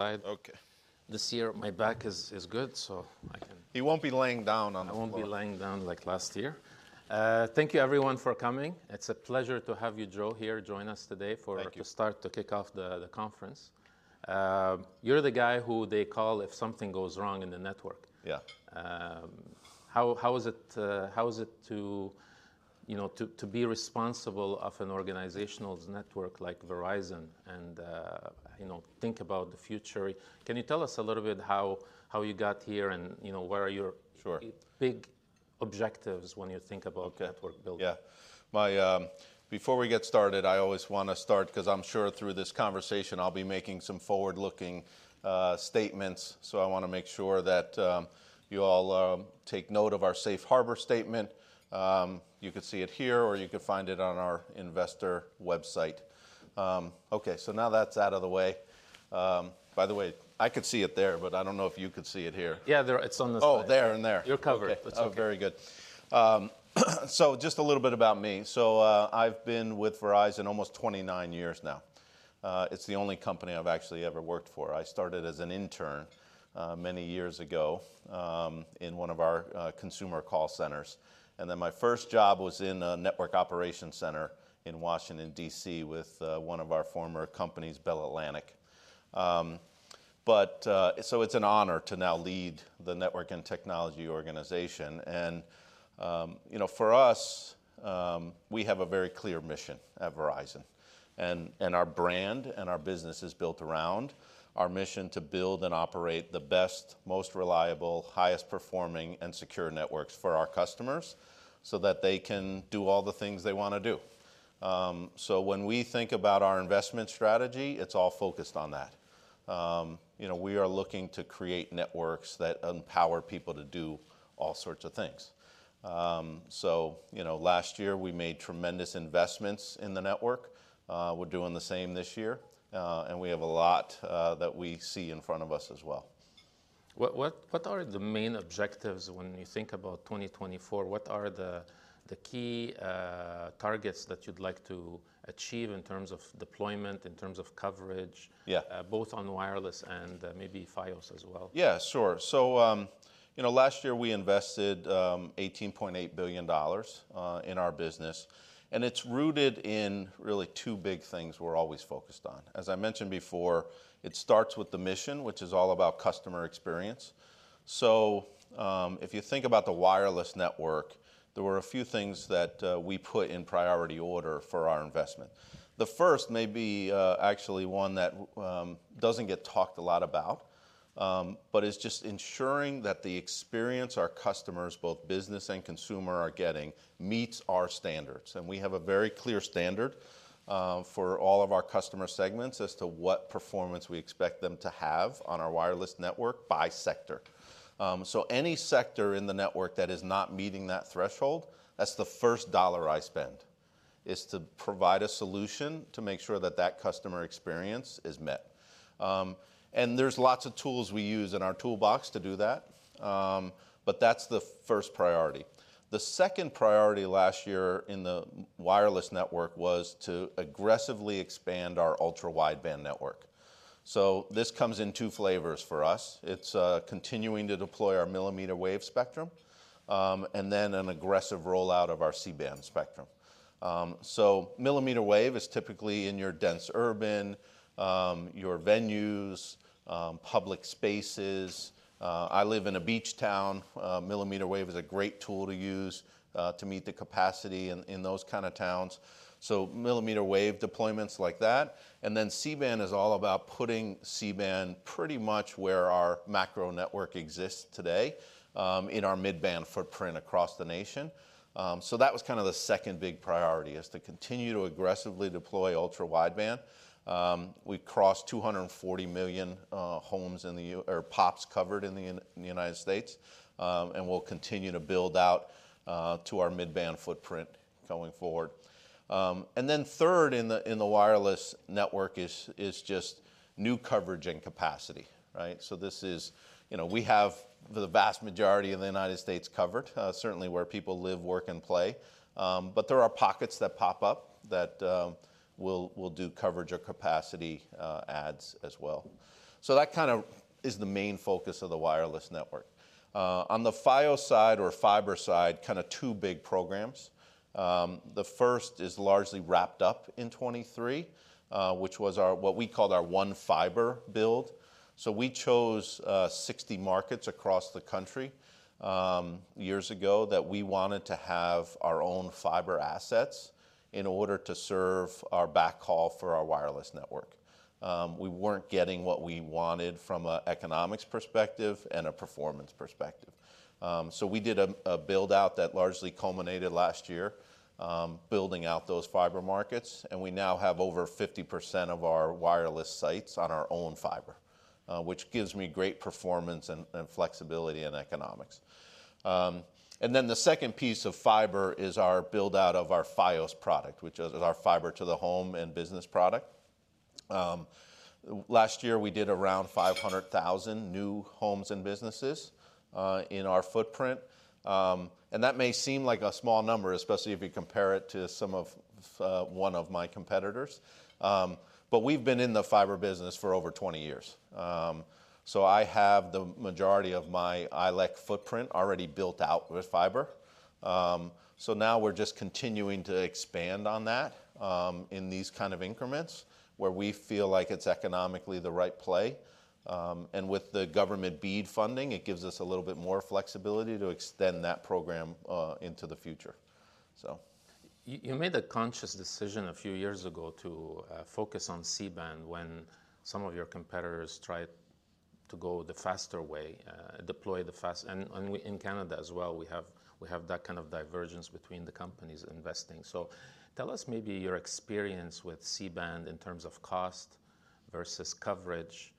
Side. Okay. This year my back is good, so I can. He won't be laying down on the floor. I won't be laying down like last year. Thank you, everyone, for coming. It's a pleasure to have you, Joe, here join us today for. Thank you. To start to kick off the conference. You're the guy who they call if something goes wrong in the network. Yeah. How is it to be responsible of an organizational network like Verizon and think about the future? Can you tell us a little bit how you got here and where are your. Sure. Big objectives when you think about network building? Yeah. Before we get started, I always want to start because I'm sure through this conversation I'll be making some forward-looking statements. So I want to make sure that you all take note of our Safe Harbor statement. You could see it here, or you could find it on our investor website. Okay, so now that's out of the way. By the way, I could see it there, but I don't know if you could see it here. Yeah, it's on the side. Oh, there and there. You're covered. Oh, very good. So just a little bit about me. So I've been with Verizon almost 29 years now. It's the only company I've actually ever worked for. I started as an intern many years ago in one of our consumer call centers. And then my first job was in a network operations center in Washington, D.C., with one of our former companies, Bell Atlantic. But so it's an honor to now lead the network and technology organization. And for us, we have a very clear mission at Verizon. And our brand and our business is built around our mission to build and operate the best, most reliable, highest performing, and secure networks for our customers so that they can do all the things they want to do. So when we think about our investment strategy, it's all focused on that. We are looking to create networks that empower people to do all sorts of things. So last year, we made tremendous investments in the network. We're doing the same this year. And we have a lot that we see in front of us as well. What are the main objectives when you think about 2024? What are the key targets that you'd like to achieve in terms of deployment, in terms of coverage, both on wireless and maybe Fios as well? Yeah, sure. Last year, we invested $18.8 billion in our business. It's rooted in really two big things we're always focused on. As I mentioned before, it starts with the mission, which is all about customer experience. If you think about the wireless network, there were a few things that we put in priority order for our investment. The first may be actually one that doesn't get talked a lot about, but is just ensuring that the experience our customers, both business and consumer, are getting meets our standards. We have a very clear standard for all of our customer segments as to what performance we expect them to have on our wireless network by sector. So any sector in the network that is not meeting that threshold, that's the first dollar I spend, is to provide a solution to make sure that that customer experience is met. And there's lots of tools we use in our toolbox to do that. But that's the first priority. The second priority last year in the wireless network was to aggressively expand our Ultra Wideband network. So this comes in two flavors for us. It's continuing to deploy our millimeter wave spectrum and then an aggressive rollout of our C-band spectrum. So millimeter wave is typically in your dense urban, your venues, public spaces. I live in a beach town. Millimeter wave is a great tool to use to meet the capacity in those kind of towns. So millimeter wave deployments like that. C-band is all about putting C-band pretty much where our macro network exists today in our mid-band footprint across the nation. So that was kind of the second big priority is to continue to aggressively deploy Ultra Wideband. We crossed 240 million homes, or POPs, covered in the United States. And we'll continue to build out to our mid-band footprint going forward. And then third in the wireless network is just new coverage and capacity, right? So this is, we have the vast majority of the United States covered, certainly where people live, work, and play. But there are pockets that pop up that will do coverage or capacity adds as well. So that kind of is the main focus of the wireless network. On the Fios side or fiber side, kind of two big programs. The first is largely wrapped up in 2023, which was what we called our One Fiber build. So we chose 60 markets across the country years ago that we wanted to have our own fiber assets in order to serve our backhaul for our wireless network. We weren't getting what we wanted from an economics perspective and a performance perspective. So we did a build-out that largely culminated last year building out those fiber markets. And we now have over 50% of our wireless sites on our own fiber, which gives me great performance and flexibility in economics. And then the second piece of fiber is our build-out of our Fios product, which is our fiber-to-the-home and business product. Last year, we did around 500,000 new homes and businesses in our footprint. That may seem like a small number, especially if you compare it to some of one of my competitors. But we've been in the fiber business for over 20 years. So I have the majority of my ILEC footprint already built out with fiber. So now we're just continuing to expand on that in these kind of increments where we feel like it's economically the right play. And with the government BEAD funding, it gives us a little bit more flexibility to extend that program into the future, so. You made a conscious decision a few years ago to focus on C-band when some of your competitors tried to go the faster way, deploy the fast and in Canada as well, we have that kind of divergence between the companies investing. So tell us maybe your experience with C-band in terms of cost versus coverage.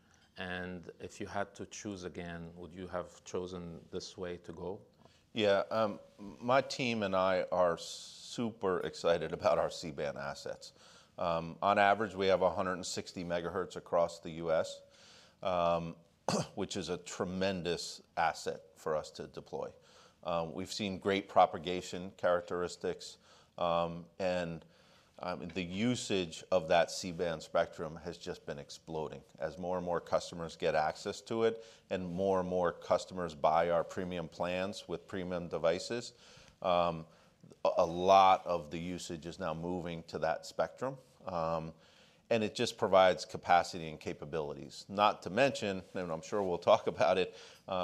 And if you had to choose again, would you have chosen this way to go? Yeah. My team and I are super excited about our C-band assets. On average, we have 160 megahertz across the U.S., which is a tremendous asset for us to deploy. We've seen great propagation characteristics. The usage of that C-band spectrum has just been exploding. As more and more customers get access to it and more and more customers buy our premium plans with premium devices, a lot of the usage is now moving to that spectrum. It just provides capacity and capabilities. Not to mention, and I'm sure we'll talk about it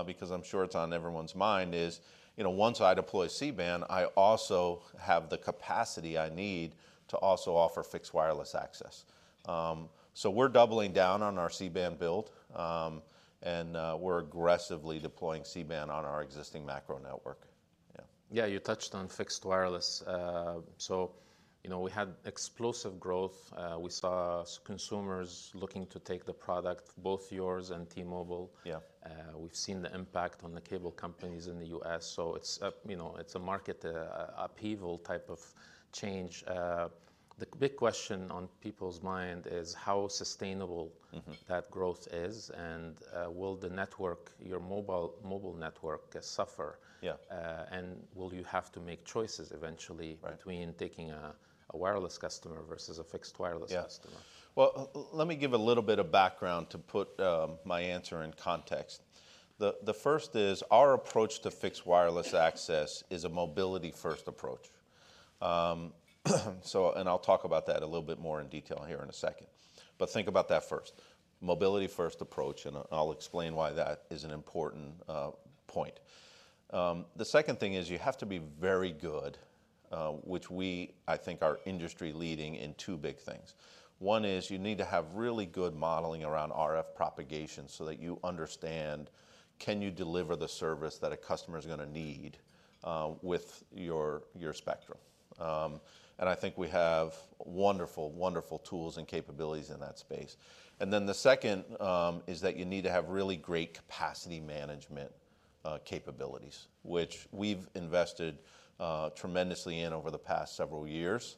because I'm sure it's on everyone's mind, is once I deploy C-band, I also have the capacity I need to also offer Fixed Wireless Access. We're doubling down on our C-band build. We're aggressively deploying C-band on our existing macro network. Yeah. Yeah, you touched on fixed wireless. So we had explosive growth. We saw consumers looking to take the product, both yours and T-Mobile. We've seen the impact on the cable companies in the U.S. So it's a market upheaval type of change. The big question on people's mind is how sustainable that growth is. And will the network, your mobile network, suffer? And will you have to make choices eventually between taking a wireless customer versus a fixed wireless customer? Well, let me give a little bit of background to put my answer in context. The first is our approach to fixed wireless access is a mobility-first approach. I'll talk about that a little bit more in detail here in a second. But think about that first, mobility-first approach. I'll explain why that is an important point. The second thing is you have to be very good, which we, I think, are industry-leading in two big things. One is you need to have really good modeling around RF propagation so that you understand, can you deliver the service that a customer is going to need with your spectrum? And I think we have wonderful, wonderful tools and capabilities in that space. And then the second is that you need to have really great capacity management capabilities, which we've invested tremendously in over the past several years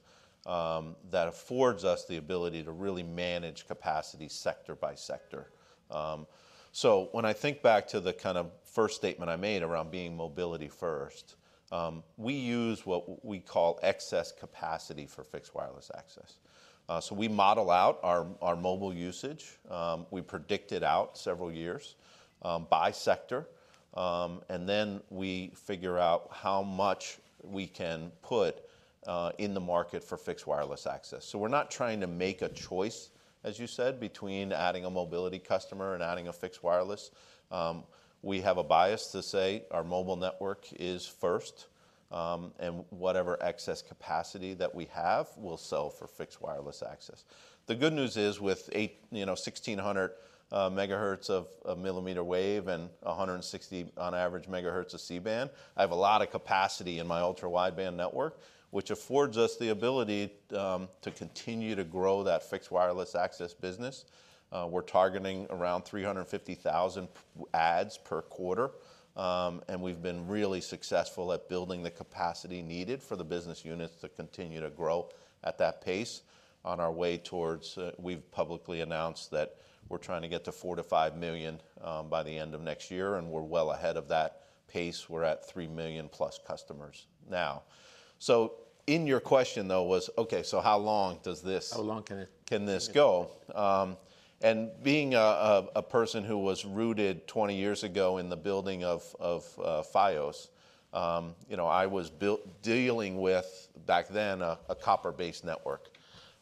that affords us the ability to really manage capacity sector by sector. So when I think back to the kind of first statement I made around being mobility-first, we use what we call excess capacity for fixed wireless access. So we model out our mobile usage. We predict it out several years by sector. And then we figure out how much we can put in the market for fixed wireless access. So we're not trying to make a choice, as you said, between adding a mobility customer and adding a fixed wireless. We have a bias to say our mobile network is first. And whatever excess capacity that we have will sell for fixed wireless access. The good news is with 1,600 megahertz of millimeter wave and 160, on average, megahertz of C-band, I have a lot of capacity in my ultra-wideband network, which affords us the ability to continue to grow that fixed wireless access business. We're targeting around 350,000 ads per quarter. And we've been really successful at building the capacity needed for the business units to continue to grow at that pace on our way towards we've publicly announced that we're trying to get to 4-5 million by the end of next year. And we're well ahead of that pace. We're at 3 million+ customers now. So in your question, though, was, "OK, so how long does this. How long can it? Can this go?" And being a person who was rooted 20 years ago in the building of Fios, I was dealing with, back then, a copper-based network.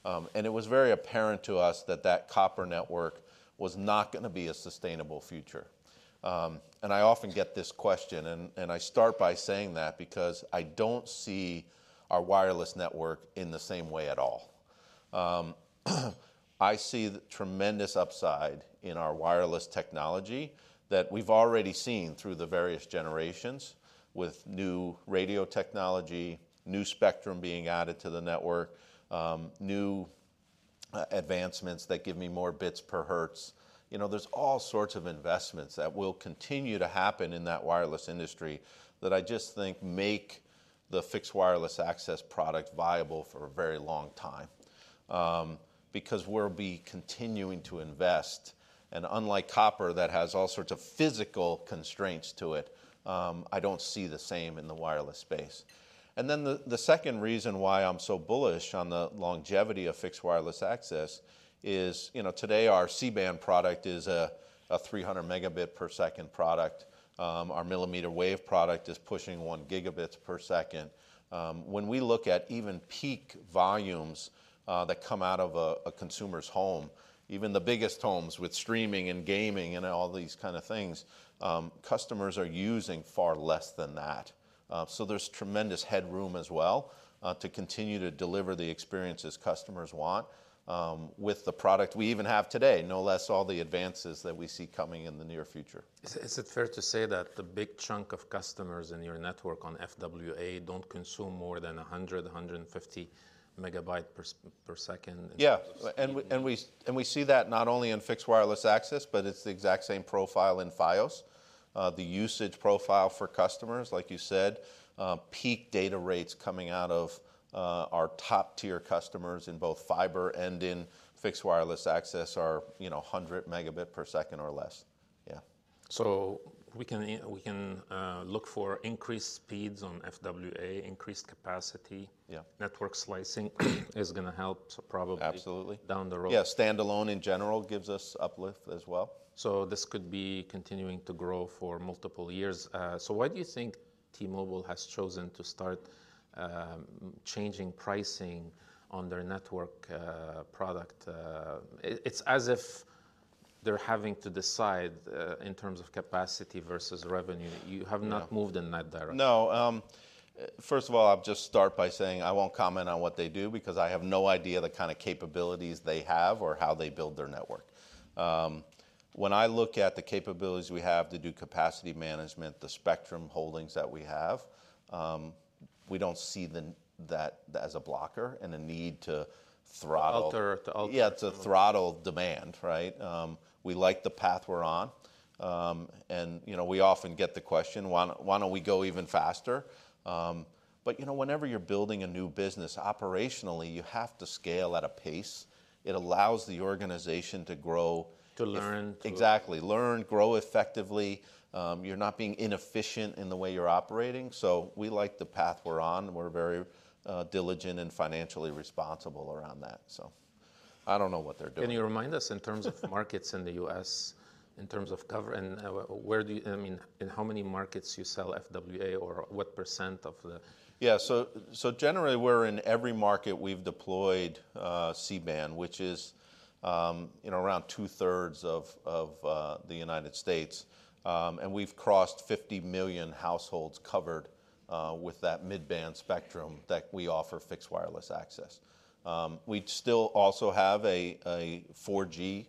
And it was very apparent to us that that copper network was not going to be a sustainable future. And I often get this question. And I start by saying that because I don't see our wireless network in the same way at all. I see tremendous upside in our wireless technology that we've already seen through the various generations with new radio technology, new spectrum being added to the network, new advancements that give me more bits per hertz. There's all sorts of investments that will continue to happen in that wireless industry that I just think make the Fixed Wireless Access product viable for a very long time because we'll be continuing to invest. Unlike copper, that has all sorts of physical constraints to it, I don't see the same in the wireless space. Then the second reason why I'm so bullish on the longevity of Fixed Wireless Access is today, our C-band product is a 300 Mbps product. Our Millimeter Wave product is pushing 1 Gbps. When we look at even peak volumes that come out of a consumer's home, even the biggest homes with streaming and gaming and all these kind of things, customers are using far less than that. So there's tremendous headroom as well to continue to deliver the experiences customers want with the product we even have today, no less all the advances that we see coming in the near future. Is it fair to say that the big chunk of customers in your network on FWA don't consume more than 100-150 Mbps in terms of speed? Yeah. And we see that not only in fixed wireless access, but it's the exact same profile in Fios. The usage profile for customers, like you said, peak data rates coming out of our top-tier customers in both fiber and in fixed wireless access are 100 Mbps or less. Yeah. So we can look for increased speeds on FWA, increased capacity. Network Slicing is going to help probably down the road. Absolutely. Yeah. Standalone, in general, gives us uplift as well. This could be continuing to grow for multiple years. Why do you think T-Mobile has chosen to start changing pricing on their network product? It's as if they're having to decide in terms of capacity versus revenue. You have not moved in that direction. No. First of all, I'll just start by saying I won't comment on what they do because I have no idea the kind of capabilities they have or how they build their network. When I look at the capabilities we have to do capacity management, the spectrum holdings that we have, we don't see that as a blocker and a need to throttle. Alter the. Yeah, to throttle demand, right? We like the path we're on. We often get the question, why don't we go even faster? Whenever you're building a new business, operationally, you have to scale at a pace. It allows the organization to grow. To learn. Exactly, learn, grow effectively. You're not being inefficient in the way you're operating. So we like the path we're on. We're very diligent and financially responsible around that, so. I don't know what they're doing. Can you remind us in terms of markets in the U.S., in terms of cover and where do you I mean, in how many markets you sell FWA or what % of the. Yeah. So generally, we're in every market we've deployed C-band, which is around two-thirds of the United States. And we've crossed 50 million households covered with that mid-band spectrum that we offer fixed wireless access. We still also have a 4G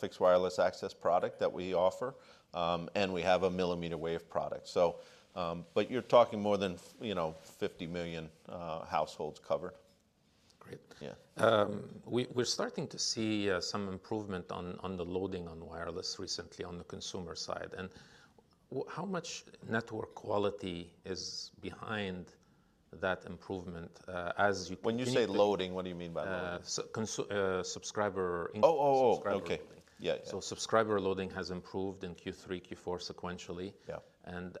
fixed wireless access product that we offer. And we have a millimeter wave product. But you're talking more than 50 million households covered. Great. We're starting to see some improvement on the loading on wireless recently on the consumer side. And how much network quality is behind that improvement as you. When you say loading, what do you mean by loading? Subscriber. Oh, oh, oh, OK. Subscriber loading. Yeah, yeah. Subscriber loading has improved in Q3, Q4 sequentially.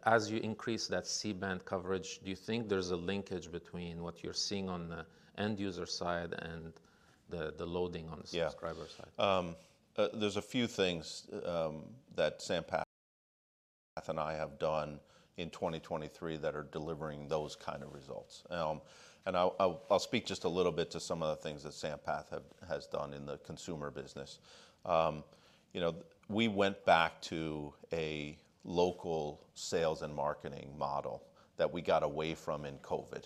As you increase that C-band coverage, do you think there's a linkage between what you're seeing on the end-user side and the loading on the subscriber side? Yeah. There's a few things that Sampath and I have done in 2023 that are delivering those kind of results. And I'll speak just a little bit to some of the things that Sampath has done in the consumer business. We went back to a local sales and marketing model that we got away from in COVID.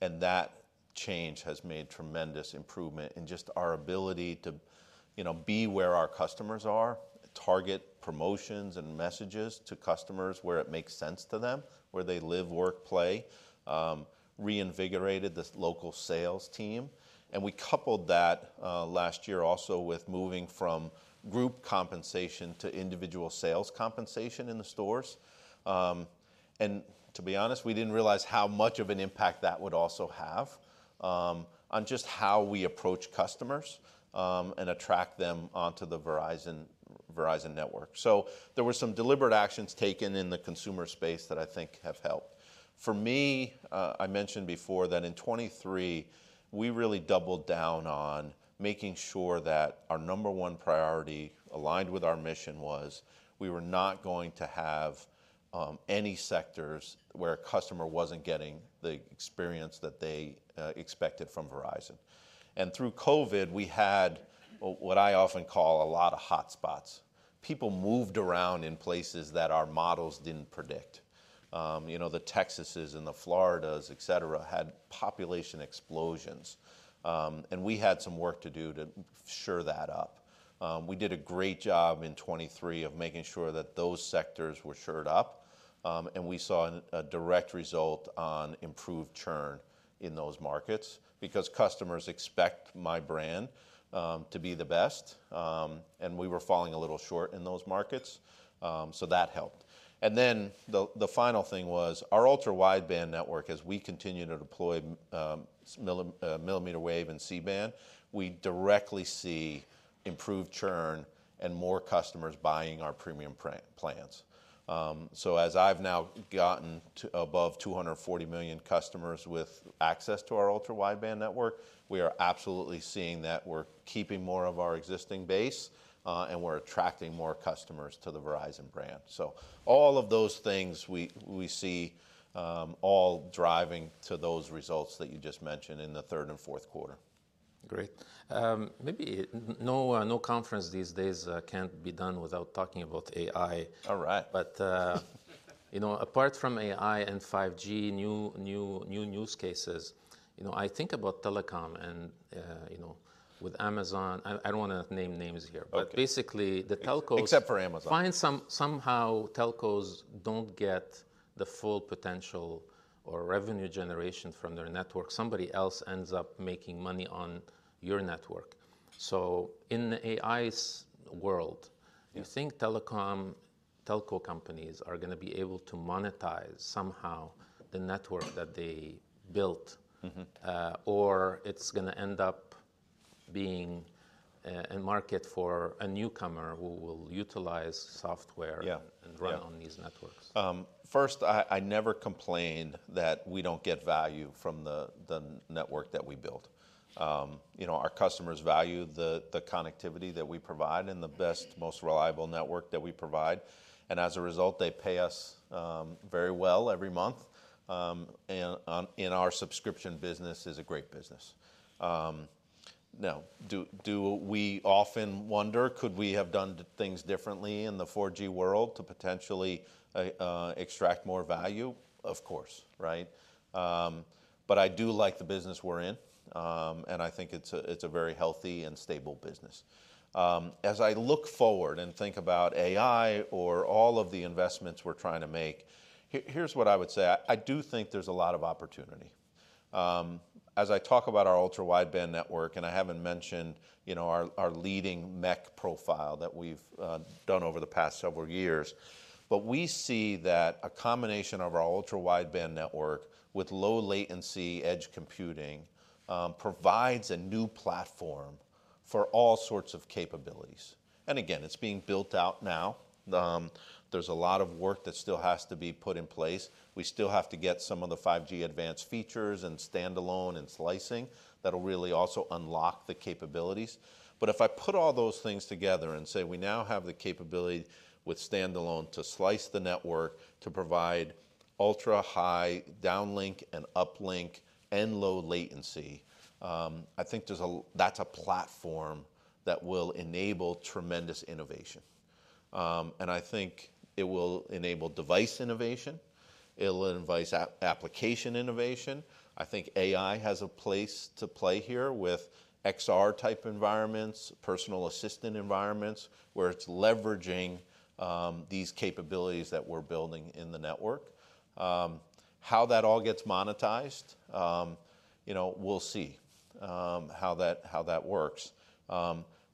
And that change has made tremendous improvement in just our ability to be where our customers are, target promotions and messages to customers where it makes sense to them, where they live, work, play, reinvigorated the local sales team. And we coupled that last year also with moving from group compensation to individual sales compensation in the stores. And to be honest, we didn't realize how much of an impact that would also have on just how we approach customers and attract them onto the Verizon network. So there were some deliberate actions taken in the consumer space that I think have helped. For me, I mentioned before that in 2023, we really doubled down on making sure that our number one priority aligned with our mission was we were not going to have any sectors where a customer wasn't getting the experience that they expected from Verizon. And through COVID, we had what I often call a lot of hotspots. People moved around in places that our models didn't predict. The Texases and the Floridas, et cetera, had population explosions. And we had some work to do to shore that up. We did a great job in 2023 of making sure that those sectors were shored up. And we saw a direct result on improved churn in those markets because customers expect my brand to be the best. We were falling a little short in those markets. That helped. The final thing was our Ultra Wideband network, as we continue to deploy millimeter wave and C-band, we directly see improved churn and more customers buying our premium plans. So as I've now gotten above 240 million customers with access to our Ultra Wideband network, we are absolutely seeing that we're keeping more of our existing base. We're attracting more customers to the Verizon brand. So all of those things, we see all driving to those results that you just mentioned in the third and fourth quarter. Great. Maybe no conference these days can be done without talking about AI. All right. Apart from AI and 5G new use cases, I think about telecom. With Amazon, I don't want to name names here. Basically, the telcos. Except for Amazon. find somehow telcos don't get the full potential or revenue generation from their network, somebody else ends up making money on your network. So in the AI world, do you think telco companies are going to be able to monetize somehow the network that they built? Or is it going to end up being a market for a newcomer who will utilize software and run on these networks? Yeah. First, I never complained that we don't get value from the network that we built. Our customers value the connectivity that we provide and the best, most reliable network that we provide. And as a result, they pay us very well every month. And our subscription business is a great business. Now, do we often wonder, could we have done things differently in the 4G world to potentially extract more value? Of course, right? But I do like the business we're in. And I think it's a very healthy and stable business. As I look forward and think about AI or all of the investments we're trying to make, here's what I would say. I do think there's a lot of opportunity. As I talk about our Ultra Wideband network and I haven't mentioned our leading MEC profile that we've done over the past several years, but we see that a combination of our Ultra Wideband network with low-latency edge computing provides a new platform for all sorts of capabilities. And again, it's being built out now. There's a lot of work that still has to be put in place. We still have to get some of the 5G Advanced features and Standalone and Slicing that'll really also unlock the capabilities. But if I put all those things together and say we now have the capability with Standalone to slice the network to provide ultra-high downlink and uplink and low latency, I think that's a platform that will enable tremendous innovation. And I think it will enable device innovation. It'll invite application innovation. I think AI has a place to play here with XR-type environments, personal assistant environments, where it's leveraging these capabilities that we're building in the network. How that all gets monetized, we'll see how that works.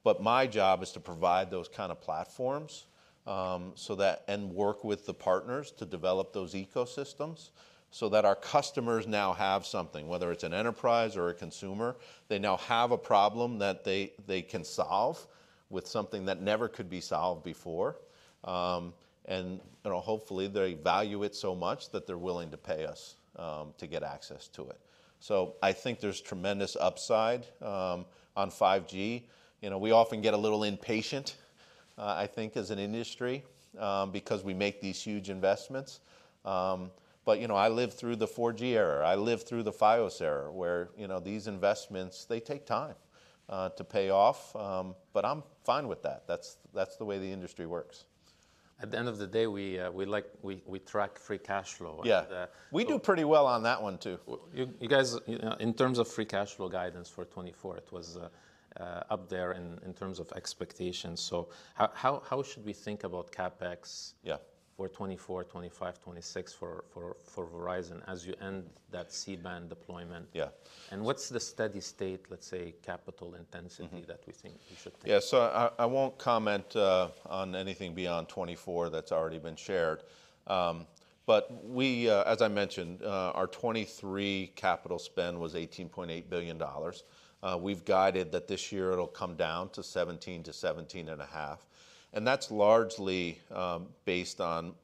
But my job is to provide those kind of platforms and work with the partners to develop those ecosystems so that our customers now have something, whether it's an enterprise or a consumer, they now have a problem that they can solve with something that never could be solved before. And hopefully, they value it so much that they're willing to pay us to get access to it. So I think there's tremendous upside on 5G. We often get a little impatient, I think, as an industry because we make these huge investments. But I lived through the 4G era. I lived through the Fios era, where these investments, they take time to pay off. But I'm fine with that. That's the way the industry works. At the end of the day, we track free cash flow. Yeah. We do pretty well on that one, too. You guys, in terms of free cash flow guidance for 2024, it was up there in terms of expectations. So how should we think about CapEx for 2024, 2025, 2026 for Verizon as you end that C-band deployment? And what's the steady state, let's say, capital intensity that we should think? Yeah. So I won't comment on anything beyond 2024 that's already been shared. But as I mentioned, our 2023 capital spend was $18.8 billion. We've guided that this year, it'll come down to $17 billion-$17.5 billion. And that's largely based on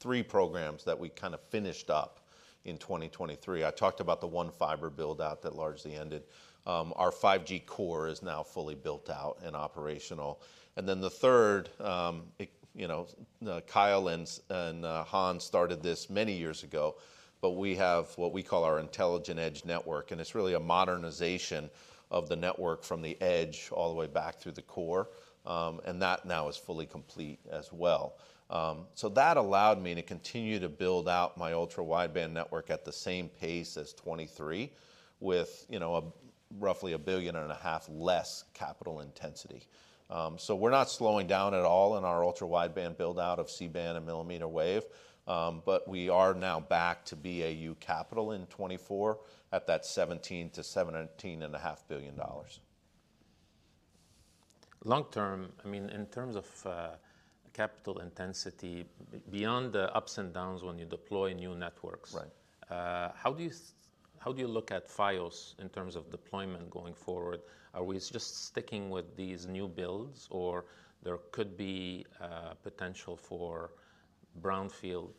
three programs that we kind of finished up in 2023. I talked about the One Fiber buildout that largely ended. Our 5G core is now fully built out and operational. And then the third, Kyle and Hans started this many years ago. But we have what we call our Intelligent Edge Network. And it's really a modernization of the network from the edge all the way back through the core. And that now is fully complete as well. So that allowed me to continue to build out my Ultra Wideband network at the same pace as 2023 with roughly $1.5 billion and a half less capital intensity. So we're not slowing down at all in our ultra-wideband buildout of C-band and millimeter wave. But we are now back to BAU capital in 2024 at that $17-$17.5 billion. Long term, I mean, in terms of capital intensity, beyond the ups and downs when you deploy new networks, how do you look at Fios in terms of deployment going forward? Are we just sticking with these new builds? Or there could be potential for brownfield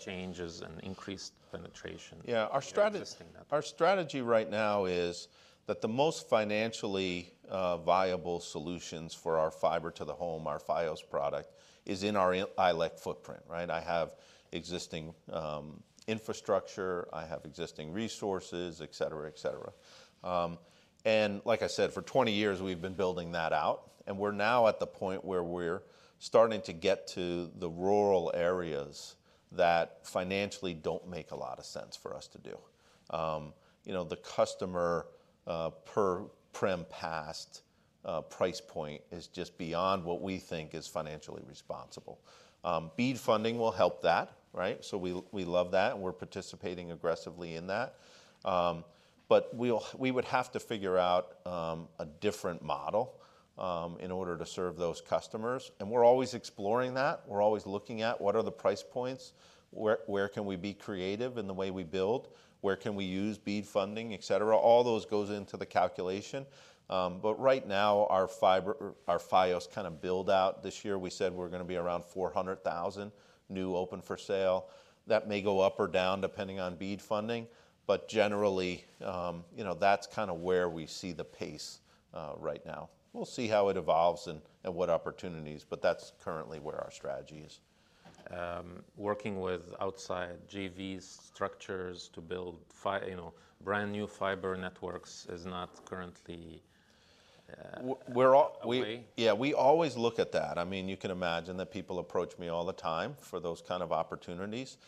changes and increased penetration in existing networks? Yeah. Our strategy right now is that the most financially viable solutions for our fiber to the home, our Fios product, is in our ILEC footprint, right? I have existing infrastructure. I have existing resources, et cetera, et cetera. And like I said, for 20 years, we've been building that out. And we're now at the point where we're starting to get to the rural areas that financially don't make a lot of sense for us to do. The customer per premise pass price point is just beyond what we think is financially responsible. BEAD funding will help that, right? So we love that. And we're participating aggressively in that. But we would have to figure out a different model in order to serve those customers. And we're always exploring that. We're always looking at what are the price points? Where can we be creative in the way we build? Where can we use BEAD funding, et cetera? All those goes into the calculation. But right now, our Fios kind of build out this year. We said we're going to be around 400,000 new open for sale. That may go up or down depending on BEAD funding. But generally, that's kind of where we see the pace right now. We'll see how it evolves and what opportunities. But that's currently where our strategy is. Working with outside JV structures to build brand new fiber networks is not currently a way? Yeah. We always look at that. I mean, you can imagine that people approach me all the time for those kind of opportunities.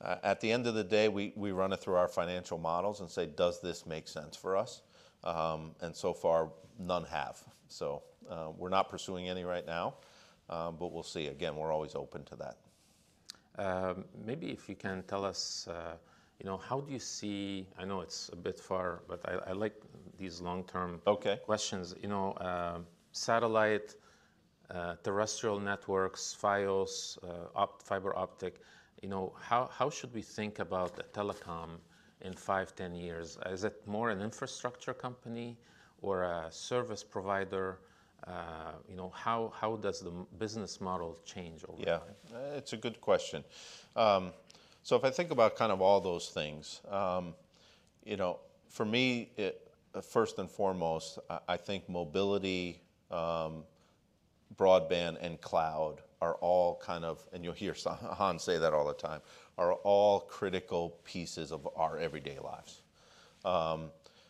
At the end of the day, we run it through our financial models and say, does this make sense for us? And so far, none have. So we're not pursuing any right now. But we'll see. Again, we're always open to that. Maybe if you can tell us, how do you see? I know it's a bit far. But I like these long-term questions. Satellite, terrestrial networks, Fios, fiber optic, how should we think about telecom in 5, 10 years? Is it more an infrastructure company or a service provider? How does the business model change over time? Yeah. It's a good question. So if I think about kind of all those things, for me, first and foremost, I think mobility, broadband, and cloud are all kind of, and you'll hear Hans say that all the time, critical pieces of our everyday lives.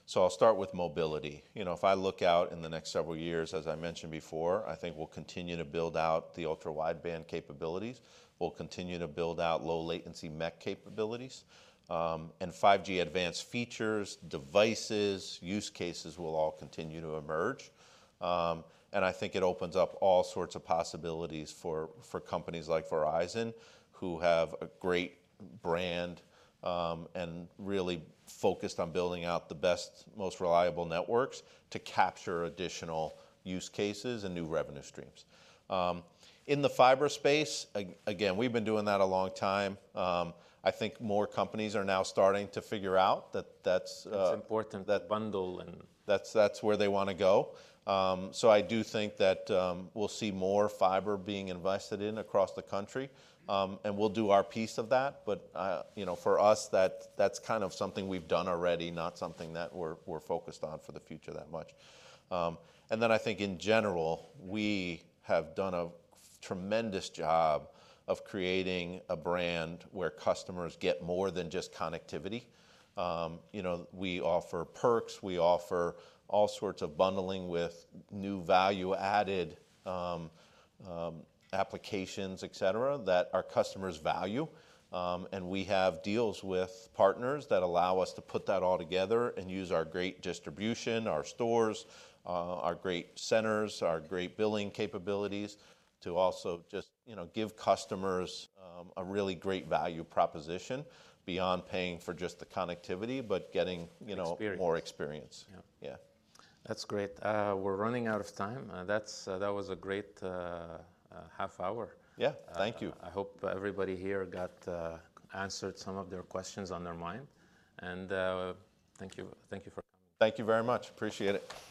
So I'll start with mobility. If I look out in the next several years, as I mentioned before, I think we'll continue to build out the Ultra Wideband capabilities. We'll continue to build out low-latency MEC capabilities. And 5G Advanced features, devices, use cases will all continue to emerge. And I think it opens up all sorts of possibilities for companies like Verizon who have a great brand and really focused on building out the best, most reliable networks to capture additional use cases and new revenue streams. In the fiber space, again, we've been doing that a long time. I think more companies are now starting to figure out that that's. It's important, that bundle. That's where they want to go. So I do think that we'll see more fiber being invested in across the country. And we'll do our piece of that. But for us, that's kind of something we've done already, not something that we're focused on for the future that much. And then I think, in general, we have done a tremendous job of creating a brand where customers get more than just connectivity. We offer perks. We offer all sorts of bundling with new value-added applications, et cetera, that our customers value. And we have deals with partners that allow us to put that all together and use our great distribution, our stores, our great centers, our great billing capabilities to also just give customers a really great value proposition beyond paying for just the connectivity but getting more experience. Experience. Yeah. That's great. We're running out of time. That was a great half hour. Yeah. Thank you. I hope everybody here got answered some of their questions on their mind. Thank you for coming. Thank you very much. Appreciate it.